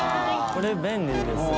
これ便利ですね。